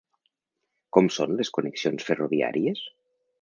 Com són les connexions ferroviàries?